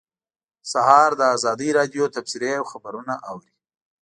سهار د ازادۍ راډیو تبصرې او خبرونه اوري.